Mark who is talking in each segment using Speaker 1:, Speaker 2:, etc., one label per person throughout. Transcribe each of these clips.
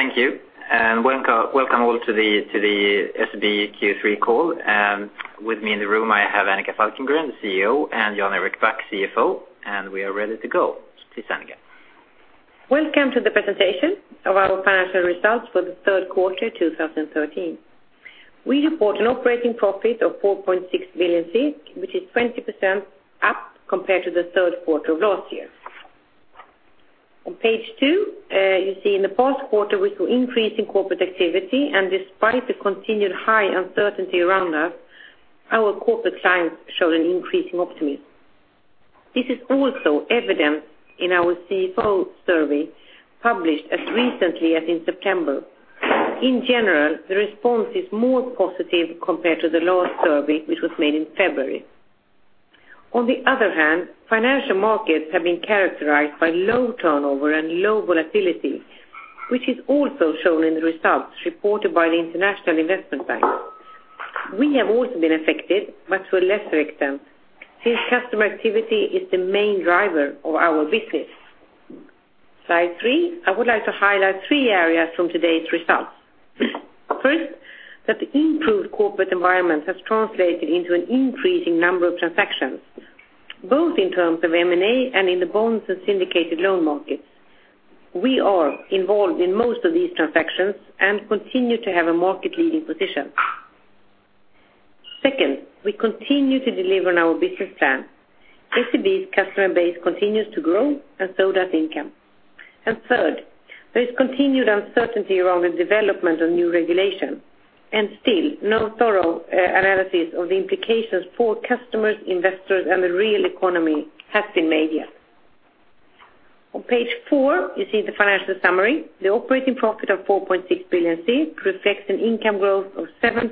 Speaker 1: Thank you. Welcome all to the SEB Q3 call. With me in the room, I have Annika Falkengren, the CEO, and Jan Erik Back, CFO, and we are ready to go. To you Annika.
Speaker 2: Welcome to the presentation of our financial results for the third quarter 2013. We report an operating profit of 4.6 billion, which is 20% up compared to the third quarter of last year. On page two, you see in the past quarter we saw increase in corporate activity. Despite the continued high uncertainty around us, our corporate clients showed an increasing optimism. This is also evident in our CFO survey, published as recently as in September. In general, the response is more positive compared to the last survey, which was made in February. On the other hand, financial markets have been characterized by low turnover and low volatility, which is also shown in the results reported by the international investment bank. We have also been affected, but to a lesser extent, since customer activity is the main driver of our business. Slide three. I would like to highlight three areas from today's results. First, that the improved corporate environment has translated into an increasing number of transactions, both in terms of M&A and in the bonds and syndicated loan markets. We are involved in most of these transactions and continue to have a market-leading position. Second, we continue to deliver on our business plan. SEB's customer base continues to grow, and so does income. Third, there is continued uncertainty around the development of new regulation, and still no thorough analysis of the implications for customers, investors, and the real economy has been made yet. On page four, you see the financial summary. The operating profit of 4.6 billion reflects an income growth of 7%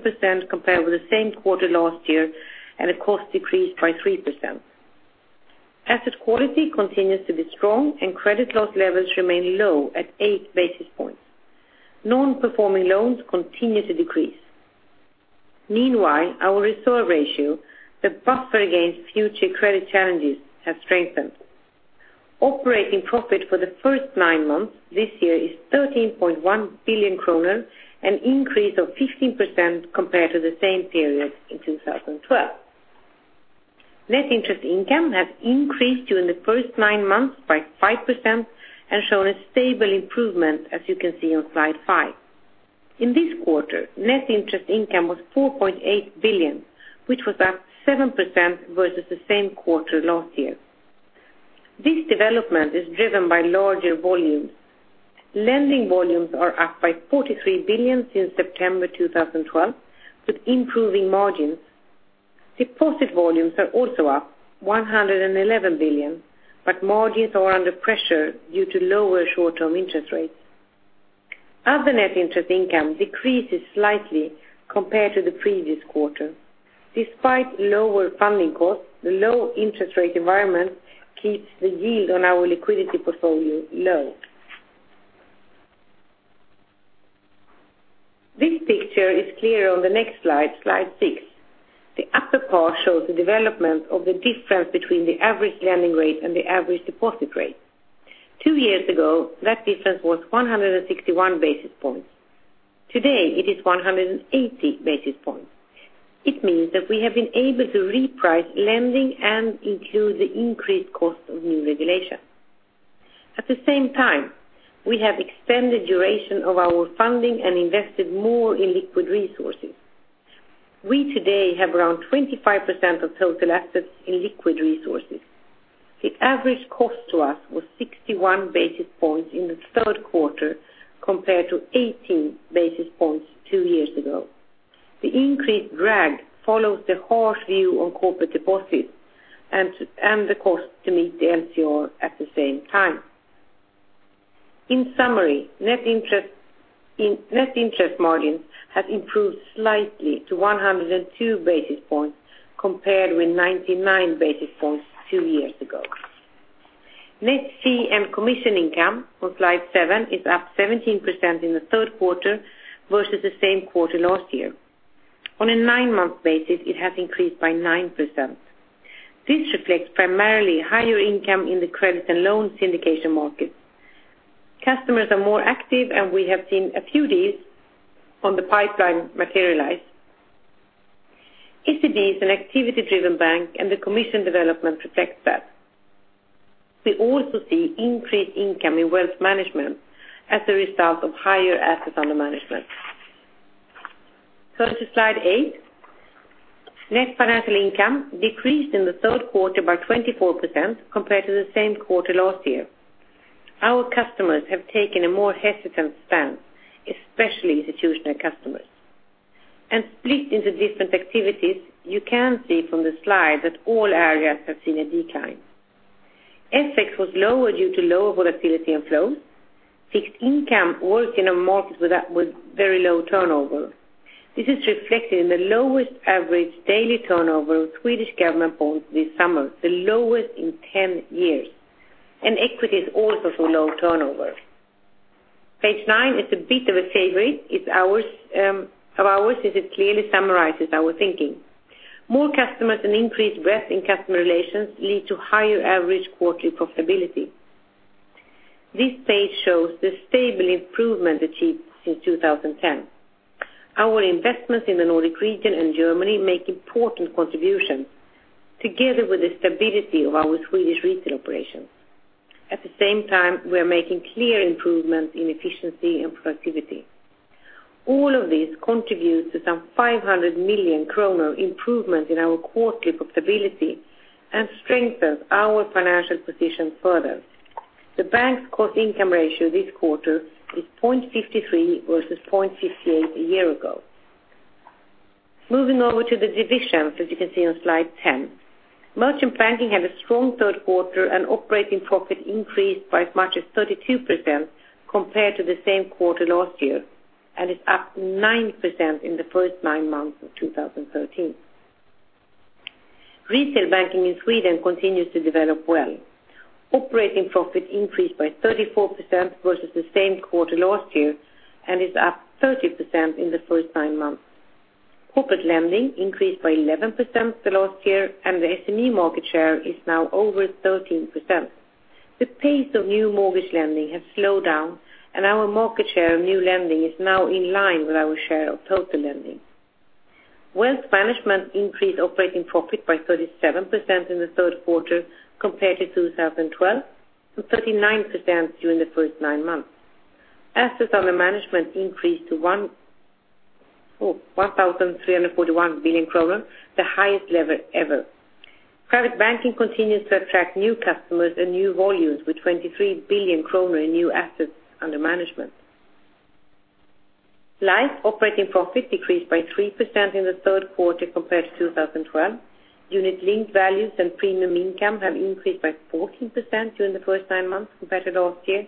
Speaker 2: compared with the same quarter last year, and a cost decrease by 3%. Asset quality continues to be strong, and credit loss levels remain low at eight basis points. Non-performing loans continue to decrease. Meanwhile, our reserve ratio, the buffer against future credit challenges, has strengthened. Operating profit for the first nine months this year is 13.1 billion kronor, an increase of 15% compared to the same period in 2012. Net interest income has increased during the first nine months by 5% and shown a stable improvement as you can see on slide five. In this quarter, net interest income was 4.8 billion, which was up 7% versus the same quarter last year. This development is driven by larger volumes. Lending volumes are up by 43 billion since September 2012, with improving margins. Deposit volumes are also up 111 billion, but margins are under pressure due to lower short-term interest rates. Other net interest income decreases slightly compared to the previous quarter. Despite lower funding costs, the low interest rate environment keeps the yield on our liquidity portfolio low. This picture is clear on the next slide six. The upper part shows the development of the difference between the average lending rate and the average deposit rate. Two years ago, that difference was 161 basis points. Today it is 180 basis points. It means that we have been able to reprice lending and include the increased cost of new regulation. At the same time, we have extended duration of our funding and invested more in liquid resources. We today have around 25% of total assets in liquid resources. The average cost to us was 61 basis points in the third quarter compared to 18 basis points two years ago. The increased drag follows the harsh view on corporate deposits and the cost to meet the LCR at the same time. In summary, net interest margins have improved slightly to 102 basis points compared with 99 basis points two years ago. Net fee and commission income on slide seven is up 17% in the third quarter versus the same quarter last year. On a nine-month basis, it has increased by 9%. This reflects primarily higher income in the credits and loans syndication markets. Customers are more active, and we have seen a few deals on the pipeline materialize. SEB is an activity-driven bank, and the commission development reflects that. We also see increased income in wealth management as a result of higher assets under management. Go to slide eight. Net financial income decreased in the third quarter by 24% compared to the same quarter last year. Our customers have taken a more hesitant stance, especially institutional customers. Split into different activities, you can see from the slide that all areas have seen a decline. FX was lower due to low volatility and flow. Fixed income works in a market with very low turnover. This is reflected in the lowest average daily turnover of Swedish government bonds this summer, the lowest in 10 years. Equities also saw low turnover. Page nine is a bit of a favorite of ours as it clearly summarizes our thinking. More customers and increased breadth in customer relations lead to higher average quarterly profitability. This page shows the stable improvement achieved since 2010. Our investments in the Nordic region and Germany make important contributions, together with the stability of our Swedish retail operations. At the same time, we are making clear improvements in efficiency and productivity. All of this contributes to some 500 million kronor improvement in our quarterly profitability and strengthens our financial position further. The bank's cost-income ratio this quarter is 0.53 versus 0.58 a year ago. Moving over to the divisions, as you can see on slide 10. Merchant banking had a strong third quarter, and operating profit increased by as much as 32% compared to the same quarter last year, and is up 9% in the first nine months of 2013. Retail banking in Sweden continues to develop well. Operating profit increased by 34% versus the same quarter last year, and is up 30% in the first nine months. Corporate lending increased by 11% the last year, and the SME market share is now over 13%. The pace of new mortgage lending has slowed down, and our market share of new lending is now in line with our share of total lending. Wealth management increased operating profit by 37% in the third quarter compared to 2012, and 39% during the first nine months. Assets under management increased to 1,341 billion, the highest level ever. Private banking continues to attract new customers and new volumes, with 23 billion kronor in new assets under management. Life operating profit decreased by 3% in the third quarter compared to 2012. Unit-linked values and premium income have increased by 14% during the first nine months compared to last year.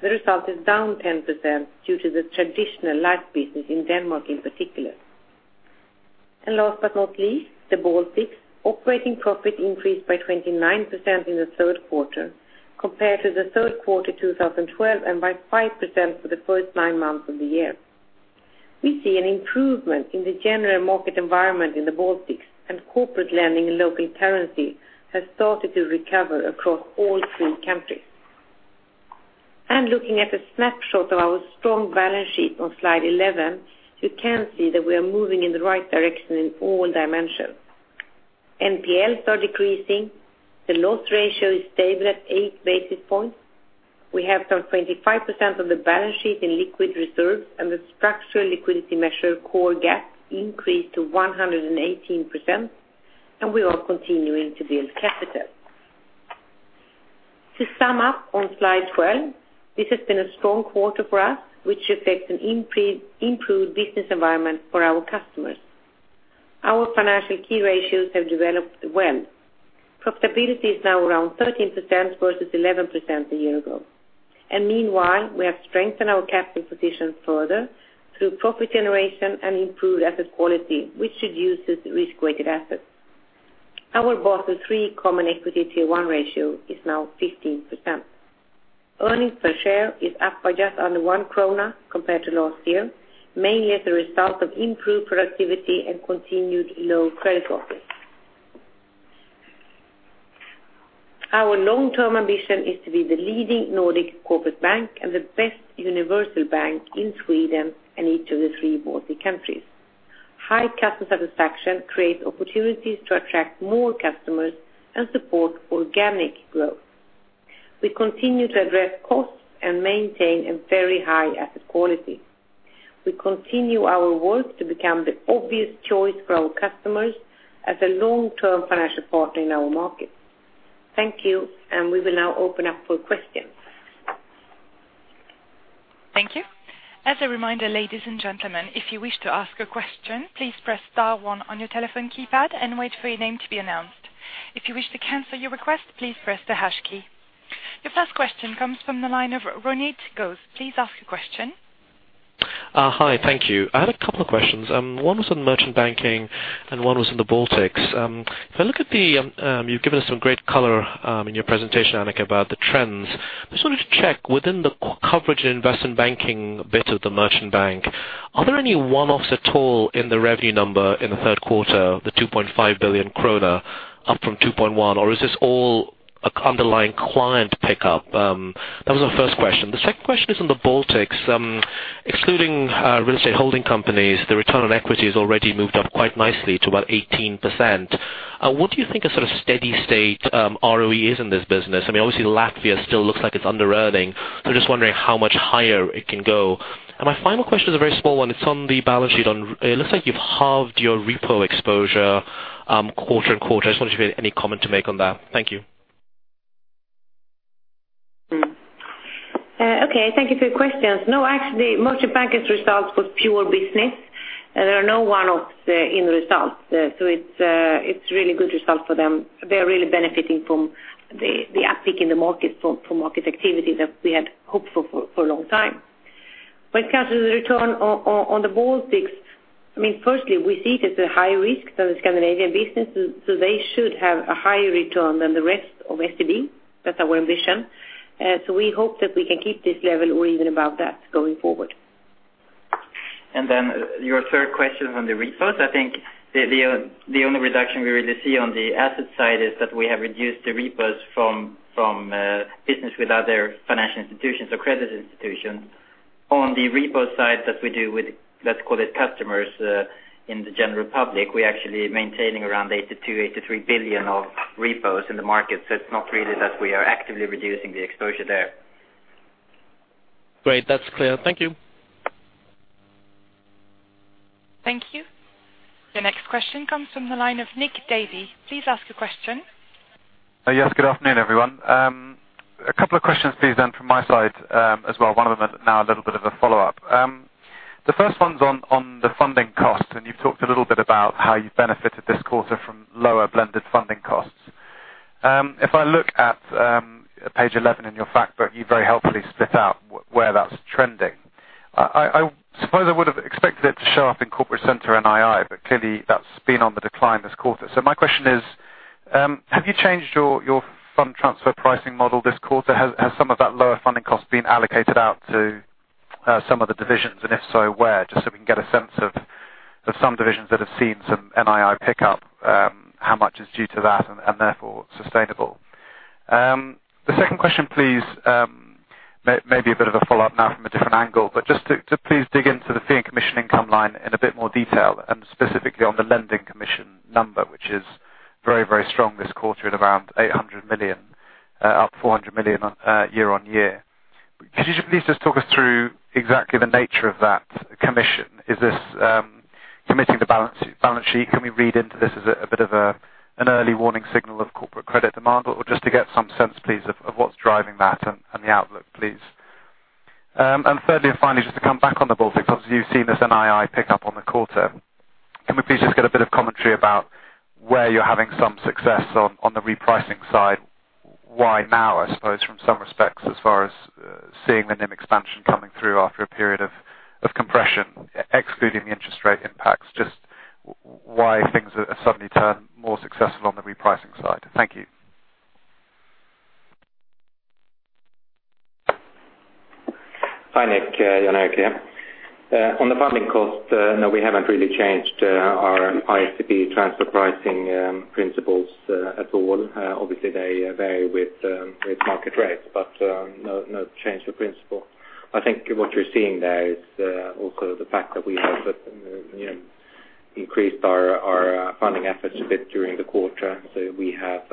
Speaker 2: The result is down 10% due to the traditional life business in Denmark in particular. Last but not least, the Baltics operating profit increased by 29% in the third quarter compared to the third quarter 2012, and by 5% for the first nine months of the year. We see an improvement in the general market environment in the Baltics, Corporate lending in local currency has started to recover across all three countries. Looking at a snapshot of our strong balance sheet on slide 11, you can see that we are moving in the right direction in all dimensions. NPLs are decreasing, the loss ratio is stable at eight basis points, we have some 25% of the balance sheet in liquid reserves, the structural liquidity measure core gap increased to 118%, and we are continuing to build capital. To sum up on slide 12, this has been a strong quarter for us, which reflects an improved business environment for our customers. Our financial key ratios have developed well. Profitability is now around 13% versus 11% a year ago. Meanwhile, we have strengthened our capital position further through profit generation and improved asset quality, which reduces risk-weighted assets. Our Basel III Common Equity Tier 1 ratio is now 15%. Earnings per share is up by just under 1 krona compared to last year, mainly as a result of improved productivity and continued low credit losses. Our long-term ambition is to be the leading Nordic corporate bank and the best universal bank in Sweden and each of the three Baltic countries. High customer satisfaction creates opportunities to attract more customers and support organic growth. We continue to address costs and maintain a very high asset quality. We continue our work to become the obvious choice for our customers as a long-term financial partner in our market. Thank you, We will now open up for questions.
Speaker 3: Thank you. As a reminder, ladies and gentlemen, if you wish to ask a question, please press star one on your telephone keypad and wait for your name to be announced. If you wish to cancel your request, please press the hash key. Your first question comes from the line of Ronit Ghose. Please ask your question.
Speaker 4: Hi. Thank you. I had a couple of questions. One was on Merchant Banking and one was on the Baltics. You've given us some great color in your presentation, Annika, about the trends. I just wanted to check within the coverage and investment banking bit of the Merchant Bank, are there any one-offs at all in the revenue number in the third quarter, the 2.5 billion krona up from 2.1 billion, or is this all underlying client pickup? That was our first question. The second question is on the Baltics. Excluding real estate holding companies, the return on equity has already moved up quite nicely to about 18%. What do you think a steady state ROE is in this business? Obviously, Latvia still looks like it's underearning. Just wondering how much higher it can go. My final question is a very small one. It's on the balance sheet. It looks like you've halved your repo exposure quarter-on-quarter. I just wondered if you had any comment to make on that. Thank you.
Speaker 2: Okay, thank you for your questions. No, actually, Merchant Bank's results was pure business. There are no one-offs in the results. It's a really good result for them. They're really benefiting from the uptick in the market for market activity that we had hoped for a long time. When it comes to the return on the Baltics, firstly, we see it as a higher risk than the Scandinavian business, so they should have a higher return than the rest of SEB. That's our ambition. We hope that we can keep this level or even above that going forward.
Speaker 5: Your third question on the repos. I think the only reduction we really see on the asset side is that we have reduced the repos from business with other financial institutions or credit institutions. On the repo side that we do with, let's call it customers in the general public, we're actually maintaining around 82 billion-83 billion of repos in the market. It's not really that we are actively reducing the exposure there.
Speaker 4: Great. That's clear. Thank you.
Speaker 3: Thank you. Your next question comes from the line of Nick Davey. Please ask your question.
Speaker 6: Yes, good afternoon, everyone. A couple of questions, please from my side as well. One of them is now a little bit of a follow-up. The first one's on the funding cost. You've talked a little bit about how you've benefited this quarter from lower blended funding costs. If I look at page 11 in your fact book, you very helpfully split out where that's trending. I suppose I would have expected it to show up in corporate center NII. Clearly that's been on the decline this quarter. My question is, have you changed your fund transfer pricing model this quarter? Has some of that lower funding cost been allocated out to some of the divisions? If so, where? Just so we can get a sense of some divisions that have seen some NII pickup, how much is due to that and therefore sustainable. The second question please, maybe a bit of a follow-up now from a different angle. Just to please dig into the fee and commission income line in a bit more detail and specifically on the lending commission number, which is very strong this quarter at around 800 million, up 400 million year-on-year. Could you please just talk us through exactly the nature of that commission? Is this committing the balance sheet? Can we read into this as a bit of an early warning signal of corporate credit demand? Just to get some sense please of what's driving that and the outlook, please. Thirdly and finally, just to come back on the Baltics. Obviously you've seen this NII pick up on the quarter. Can we please just get a bit of commentary about where you're having some success on the repricing side? Why now, I suppose from some respects as far as seeing the NIM expansion coming through after a period of compression, excluding the interest rate impacts, just why things have suddenly turned more successful on the repricing side. Thank you.
Speaker 5: Hi, Nick. Jan Erik Back here. On the funding cost, no, we haven't really changed our ISBP transfer pricing principles at all. Obviously, they vary with market rates, but no change to principle. I think what you're seeing there is also the fact that we have increased our funding efforts a bit during the quarter. We have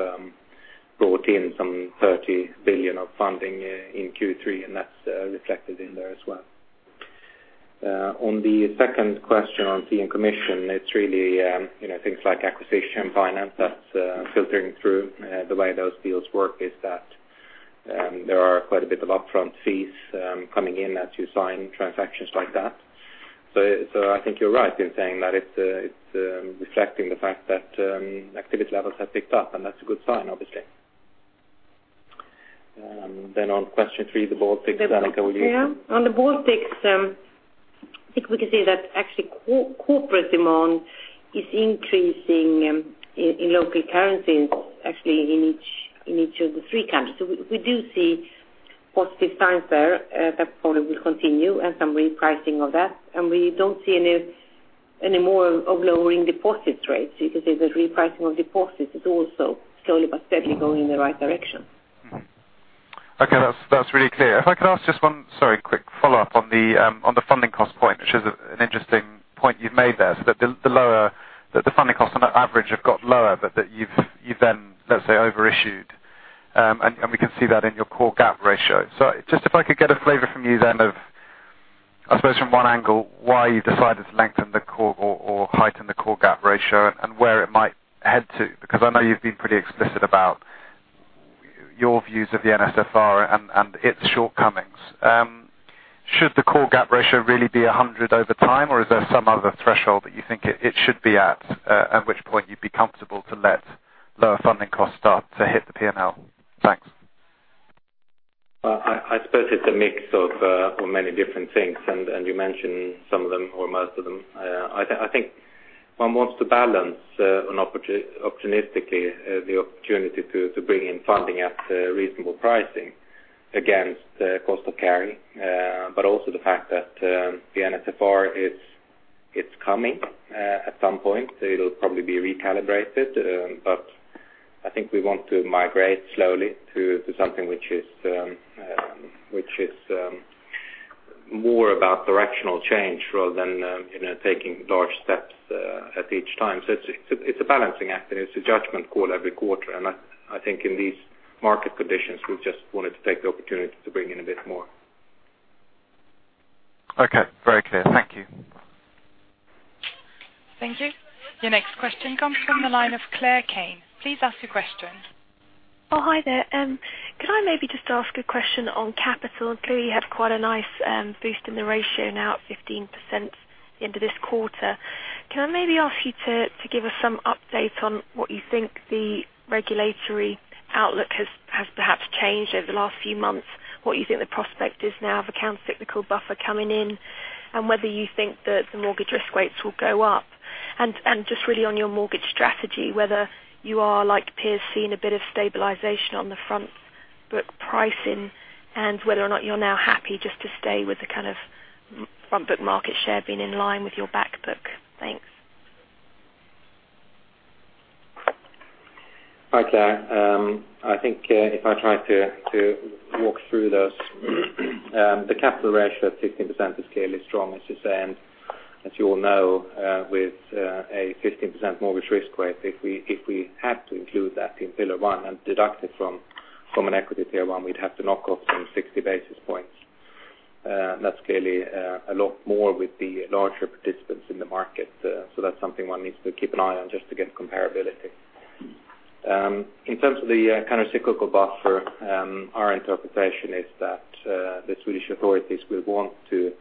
Speaker 5: brought in some 30 billion of funding in Q3, and that's reflected in there as well. On the second question on fee and commission, it's really things like acquisition finance that's filtering through. The way those deals work is that there are quite a bit of upfront fees coming in as you sign transactions like that. I think you're right in saying that it's reflecting the fact that activity levels have picked up, and that's a good sign, obviously. On question three, the Baltics, Annika, will you-
Speaker 2: On the Baltics, I think we can say that actually corporate demand is increasing in local currencies actually in each of the three countries. We do see positive signs there that probably will continue and some repricing of that. We don't see any more of lowering deposit rates. You could say the repricing of deposits is also slowly but steadily going in the right direction.
Speaker 6: Okay. That's really clear. If I could ask just one, sorry, quick follow-up on the funding cost point, which is an interesting point you've made there, that the funding costs on average have got lower, but that you've then, let's say, overissued. We can see that in your core gap ratio. Just if I could get a flavor from you then of, I suppose from one angle, why you decided to lengthen the core or heighten the core gap ratio and where it might head to, because I know you've been pretty explicit about your views of the NSFR and its shortcomings. Should the core gap ratio really be 100% over time, or is there some other threshold that you think it should be at which point you'd be comfortable to let lower funding costs start to hit the P&L? Thanks.
Speaker 5: I suppose it's a mix of many different things, and you mentioned some of them or most of them. I think one wants to balance opportunistically the opportunity to bring in funding at reasonable pricing against cost of carry. Also the fact that the NSFR it's coming at some point, so it'll probably be recalibrated. I think we want to migrate slowly to something which is more about directional change rather than taking large steps at each time. It's a balancing act, and it's a judgment call every quarter. I think in these market conditions, we've just wanted to take the opportunity to bring in a bit more.
Speaker 6: Okay. Very clear. Thank you.
Speaker 3: Thank you. Your next question comes from the line of Claire Kane. Please ask your question.
Speaker 7: Oh, hi there. Could I maybe just ask a question on capital? Clearly, you have quite a nice boost in the ratio now at 15% at the end of this quarter. Can I maybe ask you to give us some update on what you think the regulatory outlook has perhaps changed over the last few months, what you think the prospect is now of a countercyclical buffer coming in, and whether you think that the mortgage risk weights will go up? Just really on your mortgage strategy, whether you are like peers seeing a bit of stabilization on the front book pricing and whether or not you're now happy just to stay with the front book market share being in line with your back book. Thanks.
Speaker 5: Hi, Claire. I think if I try to walk through those. The capital ratio of 15% is clearly strong, as you say, and as you all know, with a 15% mortgage risk weight, if we had to include that in Pillar 1 and deduct it from an equity Tier 1, we'd have to knock off some 60 basis points. That's clearly a lot more with the larger participants in the market. That's something one needs to keep an eye on just to get comparability. In terms of the countercyclical buffer, our interpretation is that the Swedish authorities will want to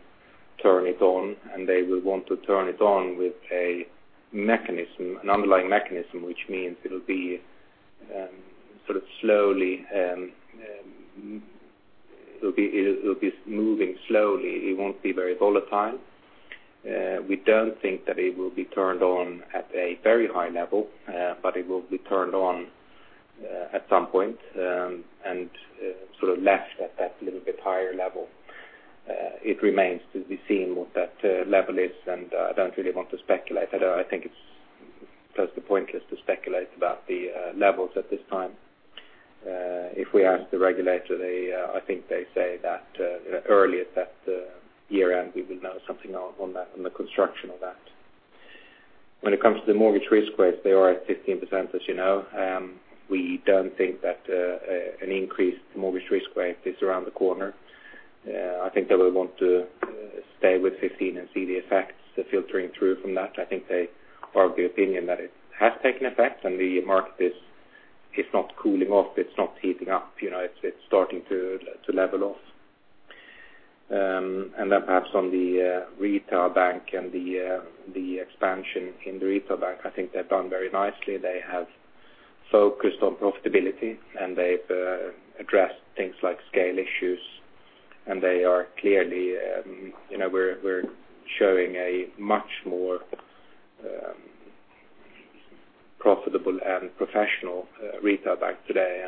Speaker 5: turn it on, and they will want to turn it on with an underlying mechanism, which means it'll be moving slowly. It won't be very volatile. We don't think that it will be turned on at a very high level, but it will be turned on at some point, and sort of left at that little bit higher level. It remains to be seen what that level is, and I don't really want to speculate. I think it's close to pointless to speculate about the levels at this time. If we ask the regulator, I think they say that early at that year-end, we will know something on the construction of that. When it comes to the mortgage risk weight, they are at 15%, as you know. We don't think that an increased mortgage risk weight is around the corner. I think they will want to stay with 15% and see the effects filtering through from that. I think they are of the opinion that it has taken effect and the market is not cooling off. It's not heating up. It's starting to level off. Perhaps on the retail bank and the expansion in the retail bank, I think they've done very nicely. They have focused on profitability, and they've addressed things like scale issues, and they are clearly showing a much more profitable and professional retail bank today.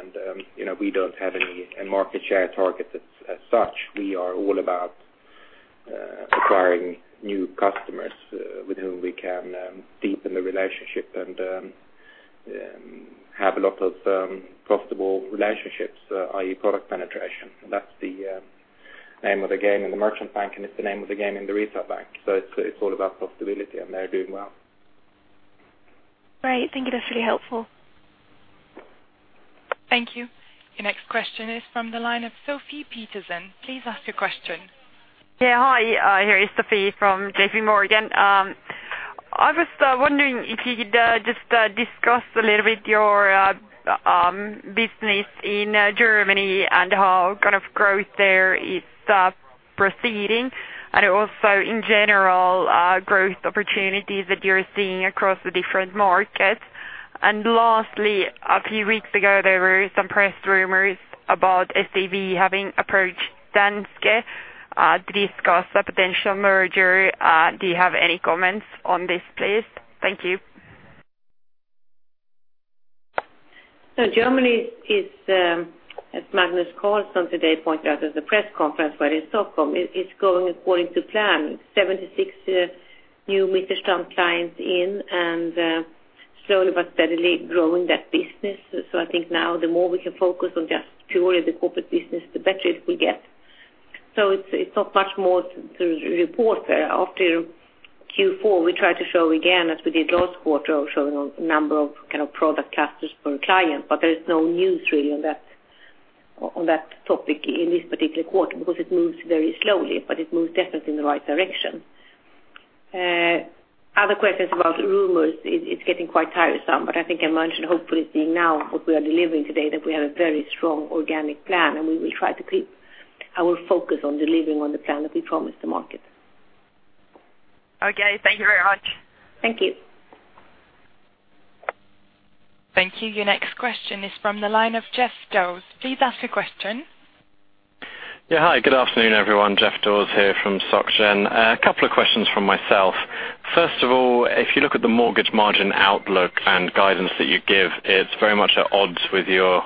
Speaker 5: We don't have any market share targets as such. We are all about acquiring new customers with whom we can deepen the relationship and have a lot of profitable relationships, i.e., product penetration. That's the name of the game in the merchant bank, and it's the name of the game in the retail bank. It's all about profitability, and they're doing well.
Speaker 7: Great. Thank you. That's really helpful.
Speaker 3: Thank you. Your next question is from the line of Sophie Peterson. Please ask your question.
Speaker 8: Yeah. Hi, here is Sophie from JP Morgan. I was wondering if you could just discuss a little bit your business in Germany and how growth there is proceeding, also in general, growth opportunities that you are seeing across the different markets. Lastly, a few weeks ago, there were some press rumors about SEB having approached Danske to discuss a potential merger. Do you have any comments on this, please? Thank you.
Speaker 2: Germany is, as Magnus Carlsson today pointed out at the press conference, where in Stockholm it is going according to plan, 76 new Mittelstand clients in and slowly but steadily growing that business. I think now the more we can focus on just purely the corporate business, the better we get. It is not much more to report there. After Q4, we try to show again, as we did last quarter, showing a number of product clusters per client. There is no news really on that topic in this particular quarter because it moves very slowly, but it moves definitely in the right direction. Other questions about rumors, it is getting quite tiresome, I think I mentioned hopefully seeing now what we are delivering today, that we have a very strong organic plan, and we will try to keep our focus on delivering on the plan that we promised the market.
Speaker 8: Okay. Thank you very much.
Speaker 2: Thank you.
Speaker 3: Thank you. Your next question is from the line of Jeff Dawes. Please ask your question.
Speaker 9: Hi, good afternoon, everyone. Jeff Dawes here from Société Générale. A couple of questions from myself. First of all, if you look at the mortgage margin outlook and guidance that you give, it's very much at odds with your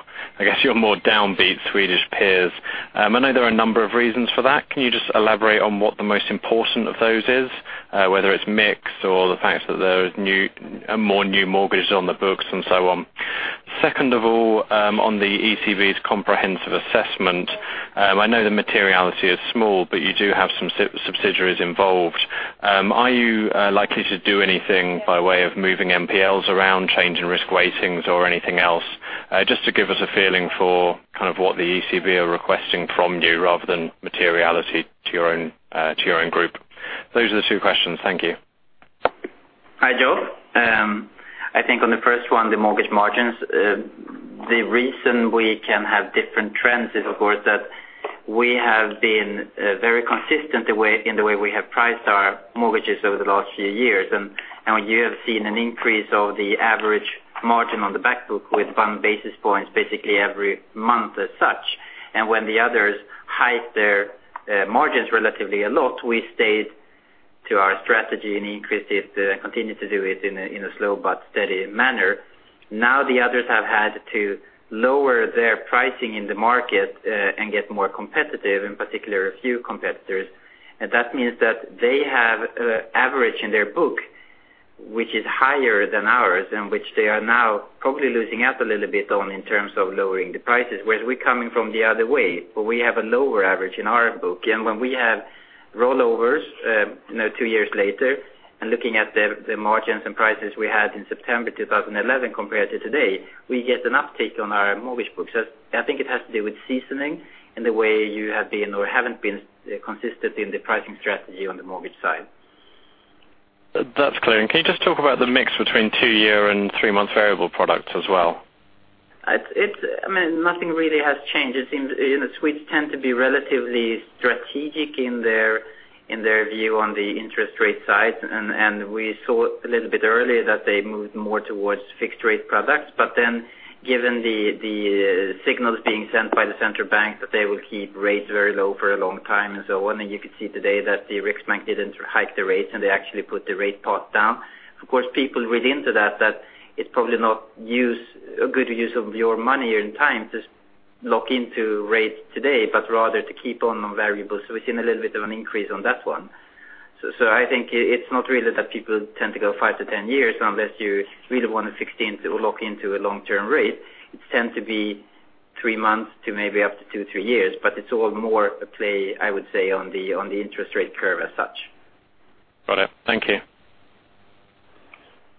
Speaker 9: more downbeat Swedish peers. I know there are a number of reasons for that. Can you just elaborate on what the most important of those is, whether it's mix or the fact that there is more new mortgages on the books and so on? Second of all, on the ECB's comprehensive assessment. I know the materiality is small, but you do have some subsidiaries involved. Are you likely to do anything by way of moving NPLs around, changing risk weightings or anything else? Just to give us a feeling for what the ECB are requesting from you rather than materiality to your own group. Those are the two questions. Thank you.
Speaker 5: Hi, Jeff. I think on the first one, the mortgage margins, the reason we can have different trends is of course, that we have been very consistent in the way we have priced our mortgages over the last few years. You have seen an increase of the average margin on the back book with one basis points basically every month as such. When the others hiked their margins relatively a lot, we stayed
Speaker 1: To our strategy and increase it and continue to do it in a slow but steady manner. The others have had to lower their pricing in the market and get more competitive, in particular, a few competitors. That means that they have average in their book, which is higher than ours, and which they are now probably losing out a little bit on in terms of lowering the prices. We're coming from the other way, where we have a lower average in our book. When we have rollovers two years later and looking at the margins and prices we had in September 2011 compared to today, we get an uptake on our mortgage book. I think it has to do with seasoning and the way you have been or haven't been consistent in the pricing strategy on the mortgage side.
Speaker 9: That's clear. Can you just talk about the mix between two-year and three-month variable products as well?
Speaker 1: Nothing really has changed. The Swedes tend to be relatively strategic in their view on the interest rate side. We saw a little bit earlier that they moved more towards fixed rate products. Given the signals being sent by the central bank, that they will keep rates very low for a long time and so on, you could see today that the Riksbank didn't hike the rates, and they actually put the rate part down. Of course, people read into that it's probably not a good use of your money or time to lock into rates today, but rather to keep on with variables. We've seen a little bit of an increase on that one. I think it's not really that people tend to go 5 to 10 years, unless you really want to lock into a long-term rate. It tends to be 3 months to maybe up to 2, 3 years, but it's all more a play, I would say, on the interest rate curve as such.
Speaker 9: Got it. Thank you.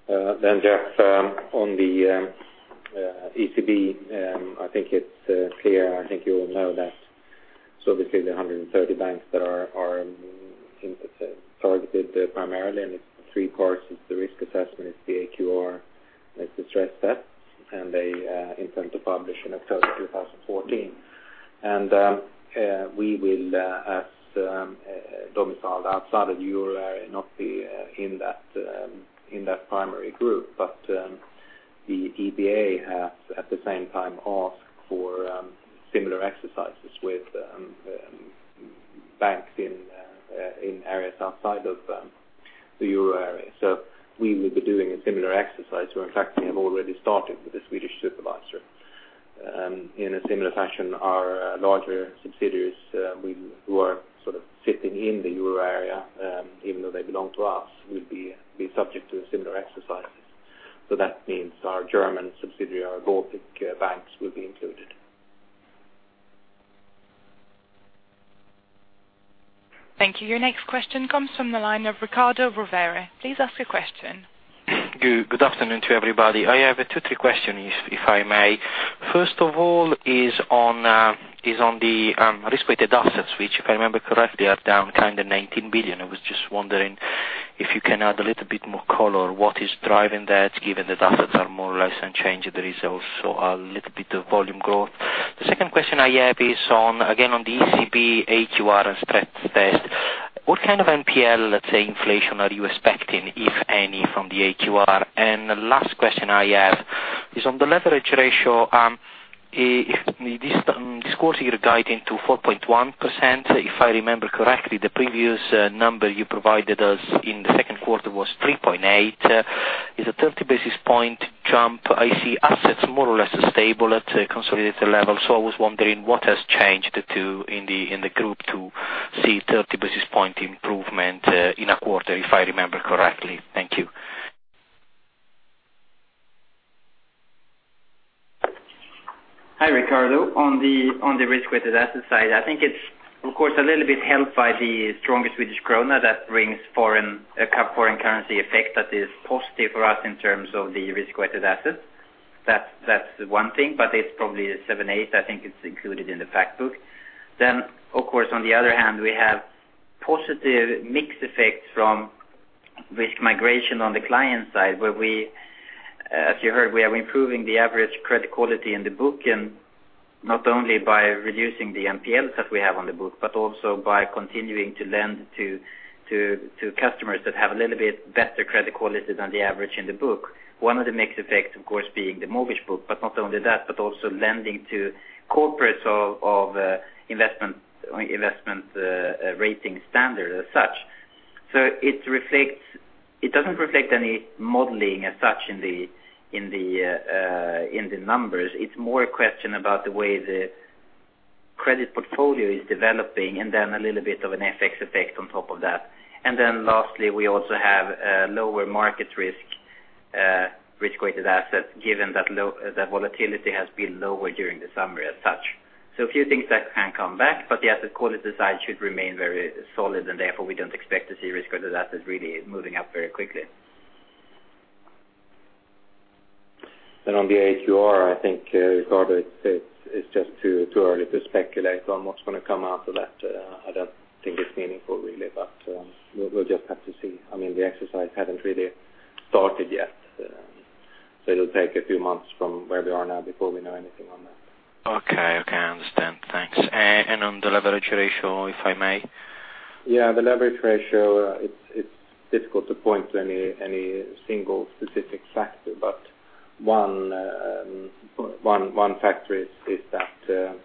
Speaker 5: Jeff, on the ECB, I think it's clear. I think you all know that. Basically, the 130 banks that are targeted primarily. It's three parts. It's the risk assessment, it's the AQR, and it's the stress test. They intend to publish in October 2014. We will, as domiciled outside of the Euro area, not be in that primary group. The EBA has at the same time asked for similar exercises with banks in areas outside of the Euro area. We will be doing a similar exercise. In fact, we have already started with the Swedish supervisor. In a similar fashion, our larger subsidiaries who are sort of sitting in the Euro area, even though they belong to us, will be subject to similar exercises. That means our German subsidiary, our Baltic banks will be included.
Speaker 3: Thank you. Your next question comes from the line of Riccardo Rovere. Please ask your question.
Speaker 10: Good afternoon to everybody. I have two, three questions, if I may. First of all is on the risk-weighted assets, which, if I remember correctly, are down 19 billion. I was just wondering if you can add a little bit more color. What is driving that, given that assets are more or less unchanged? There is also a little bit of volume growth. The second question I have is, again, on the ECB AQR and stress test. What kind of NPL, let's say, inflation are you expecting, if any, from the AQR? The last question I have is on the leverage ratio. This quarter, you're guiding to 4.1%. If I remember correctly, the previous number you provided us in the second quarter was 3.8%. It's a 30 basis point jump. I see assets more or less stable at a consolidated level. I was wondering what has changed in the group to see a 30 basis point improvement in a quarter, if I remember correctly. Thank you.
Speaker 1: Hi, Riccardo. On the risk-weighted assets side, I think it's of course a little bit helped by the stronger Swedish krona that brings a foreign currency effect that is positive for us in terms of the risk-weighted assets. That's one thing, but it's probably seven, eight. I think it's included in the fact book. Of course, on the other hand, we have positive mix effects from risk migration on the client side, where we, as you heard, we are improving the average credit quality in the book, not only by reducing the NPLs that we have on the book, but also by continuing to lend to customers that have a little bit better credit quality than the average in the book. One of the mix effects, of course, being the mortgage book, but not only that, but also lending to corporates of investment rating standard as such. It doesn't reflect any modeling as such in the numbers. It's more a question about the way the credit portfolio is developing and then a little bit of an FX effect on top of that. Lastly, we also have lower market risk risk-weighted assets, given that volatility has been lower during the summer as such. A few things that can come back, but the asset quality side should remain very solid, and therefore, we don't expect to see risk-weighted assets really moving up very quickly.
Speaker 5: On the AQR, I think, Riccardo, it's just too early to speculate on what's going to come out of that. I don't think it's meaningful really, but we'll just have to see. The exercise hasn't really started yet. It'll take a few months from where we are now before we know anything on that.
Speaker 10: Okay. I understand. Thanks. On the leverage ratio, if I may?
Speaker 5: The leverage ratio, it's difficult to point to any single specific factor. One factor is that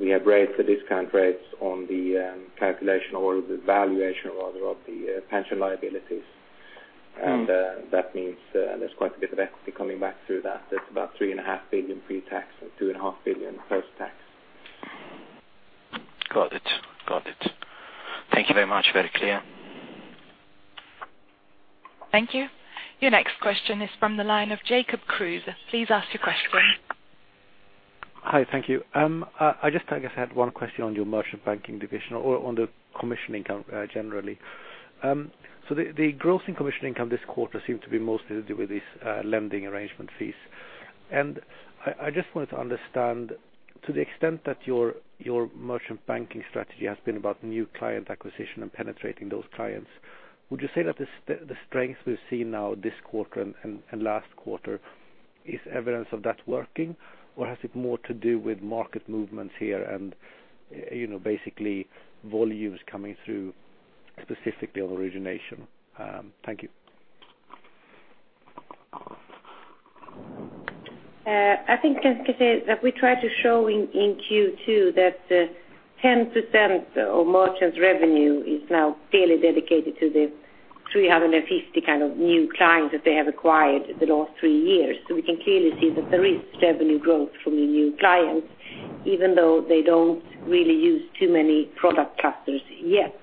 Speaker 1: We have raised the discount rates on the calculation or the valuation rather of the pension liabilities. That means there's quite a bit of equity coming back through that. It's about 3.5 billion pre-tax and 2.5 billion post-tax.
Speaker 10: Got it. Thank you very much. Very clear.
Speaker 3: Thank you. Your next question is from the line of Jacob Kruse. Please ask your question.
Speaker 11: Hi. Thank you. I just had one question on your merchant banking division or on the commission income generally. The growth in commission income this quarter seemed to be mostly to do with these lending arrangement fees. I just wanted to understand, to the extent that your merchant banking strategy has been about new client acquisition and penetrating those clients, would you say that the strength we've seen now this quarter and last quarter is evidence of that working, or has it more to do with market movements here and basically volumes coming through specifically on origination? Thank you.
Speaker 2: I think, as I said, that we try to show in Q2 that 10% of Merchant Banking revenue is now clearly dedicated to the 350 new clients that they have acquired the last three years. We can clearly see that there is revenue growth from the new clients, even though they don't really use too many product clusters yet.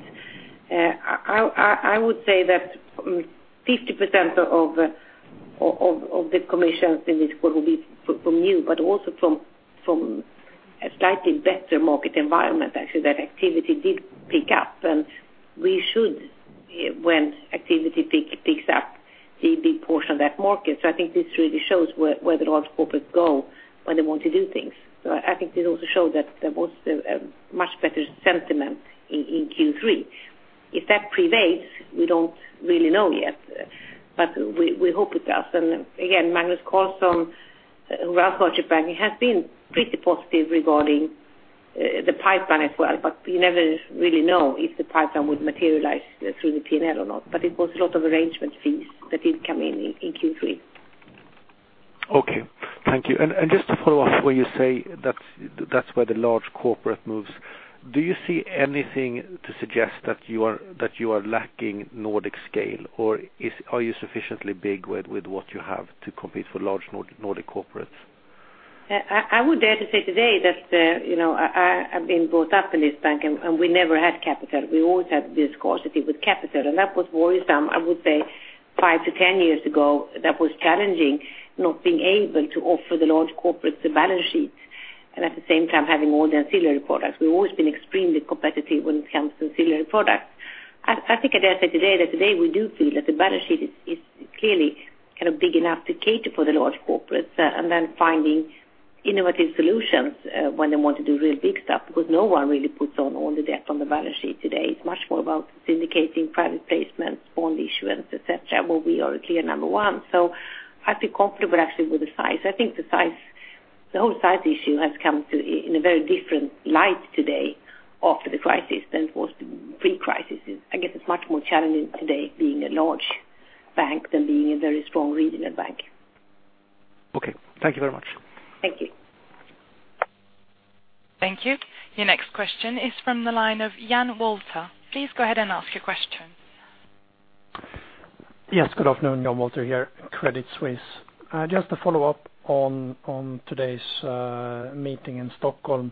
Speaker 2: I would say that 50% of the commissions in this quarter will be from new, but also from a slightly better market environment, actually, that activity did pick up, and we should, when activity picks up a big portion of that market. I think this really shows where the large corporates go when they want to do things. I think this also showed that there was a much better sentiment in Q3. If that prevails, we don't really know yet. We hope it does. Again, Magnus Carlsson, who runs Merchant Banking, has been pretty positive regarding the pipeline as well. You never really know if the pipeline would materialize through the P&L or not. It was a lot of arrangement fees that did come in in Q3.
Speaker 11: Okay. Thank you. Just to follow up, when you say that's where the large corporate moves, do you see anything to suggest that you are lacking Nordic scale, or are you sufficiently big with what you have to compete for large Nordic corporates?
Speaker 2: I would dare to say today that I've been brought up in this bank, we never had capital. We always had this scarcity with capital, that was worrisome, I would say, five to 10 years ago. That was challenging, not being able to offer the large corporates the balance sheet and at the same time having all the ancillary products. We've always been extremely competitive when it comes to ancillary products. I think I dare say today that today we do feel that the balance sheet is clearly big enough to cater for the large corporates and then finding innovative solutions when they want to do really big stuff because no one really puts on all the debt on the balance sheet today. It's much more about syndicating private placements, bond issuance, et cetera, where we are a clear number one. I feel comfortable actually with the size. I think the whole size issue has come in a very different light today after the crisis than it was pre-crisis. I guess it is much more challenging today being a large bank than being a very strong regional bank.
Speaker 11: Okay. Thank you very much.
Speaker 2: Thank you.
Speaker 3: Thank you. Your next question is from the line of Jan Wolter. Please go ahead and ask your question.
Speaker 12: Yes, good afternoon. Jan Wolter here, Credit Suisse. Just to follow up on today's meeting in Stockholm.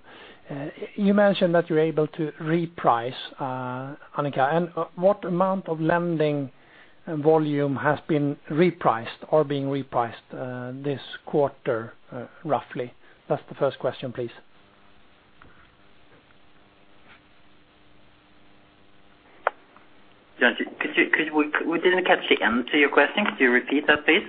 Speaker 12: What amount of lending volume has been repriced or being repriced this quarter, roughly? That's the first question, please.
Speaker 1: Jan, we didn't catch the end to your question. Could you repeat that, please?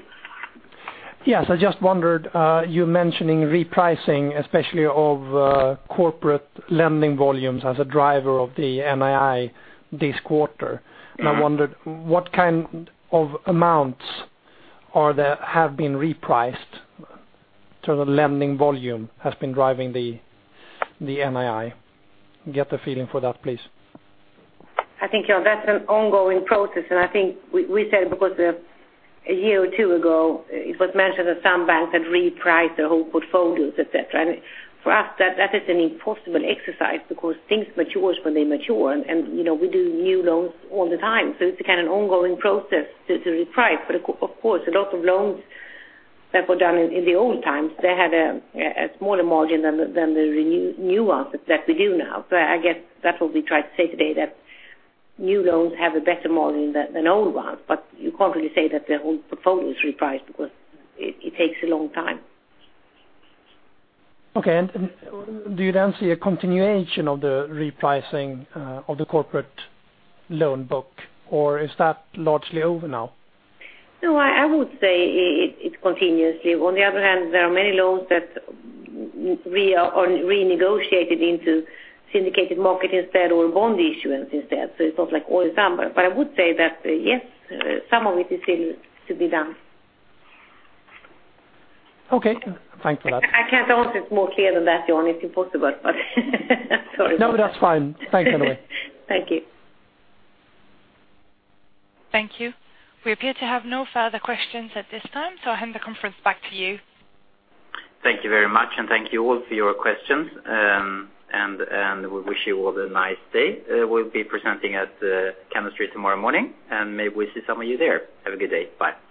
Speaker 12: Yes. I just wondered, you mentioning repricing especially of corporate lending volumes as a driver of the NII this quarter. I wondered what kind of amounts have been repriced to the lending volume has been driving the NII. Get a feeling for that, please.
Speaker 2: I think that's an ongoing process. I think we said because a year or two ago it was mentioned that some banks had repriced their whole portfolios, et cetera. For us, that is an impossible exercise because things mature when they mature, and we do new loans all the time. It's a kind of ongoing process to reprice. Of course, a lot of loans that were done in the old times, they had a smaller margin than the new ones that we do now. I guess that's what we tried to say today, that new loans have a better margin than old ones, but you can't really say that the whole portfolio is repriced because it takes a long time.
Speaker 12: Do you then see a continuation of the repricing of the corporate loan book, or is that largely over now?
Speaker 2: No, I would say it continuously. On the other hand, there are many loans that we are renegotiating into syndicated market instead or bond issuance instead. It's not like all is done. I would say that yes, some of it is still to be done.
Speaker 12: Okay. Thanks for that.
Speaker 2: I can't answer it more clear than that, Jan. It's impossible, but sorry.
Speaker 12: No, that's fine. Thanks anyway.
Speaker 2: Thank you.
Speaker 3: Thank you. We appear to have no further questions at this time, so I hand the conference back to you.
Speaker 1: Thank you very much, and thank you all for your questions. We wish you all a nice day. We'll be presenting at Chemistry tomorrow morning, and maybe we'll see some of you there. Have a good day. Bye